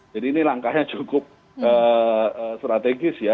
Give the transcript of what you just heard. jadi ini langkahnya cukup strategis ya